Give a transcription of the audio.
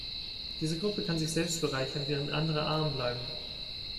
Diese Gruppe kann sich selbst bereichern, während andere arm bleiben.